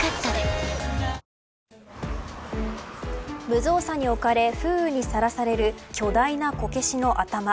無造作に置かれ風雨にさらされる巨大なこけしの頭。